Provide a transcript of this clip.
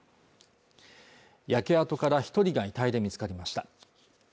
焼け跡から一人が遺体で見つかりました